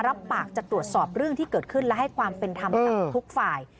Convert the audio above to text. รับปากจะตรวจสอบเรื่องที่เกิดขึ้นและให้ความเป็นธรรมกับทุกฝ่าย